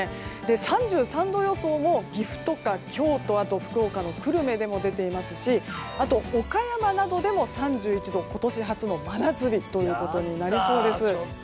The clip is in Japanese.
３３度予想も岐阜とか京都福岡の久留米でも出ていますし岡山などでも３１度と今年初の真夏日となりそうです。